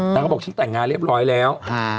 เขาบอกฉันแต่งงานเรียบร้อยแล้ว